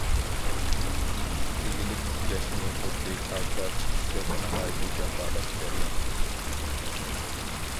ئىگىلىك تىكلەشمۇ خۇددى تاغقا چىقىشتەك ناھايىتى جاپالىق جەريان.